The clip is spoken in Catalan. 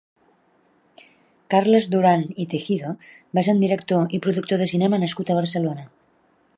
Carles Duran i Tegido va ser un director i productor de cinema nascut a Barcelona.